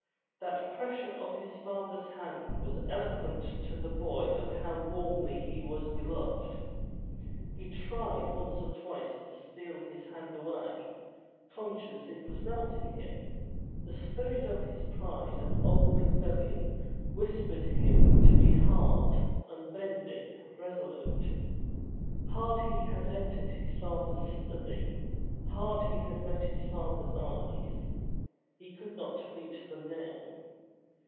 That pressure of his father's hand was eloquent to the boy of how warmly he was beloved. He tried once or twice to steal his hand away, conscious it was melting him. The spirit of his pride and old rebellion whispered him to be hard, unbending, resolute. Hard he had entered his father's study, hard he had met his father's eyes. He could not meet them now.